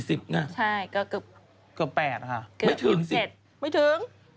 ใช่ก็เกือบ๘ค่ะไม่ถึงสิเกือบ๗ไม่ถึง